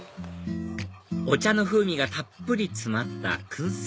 お茶の風味がたっぷり詰まった燻製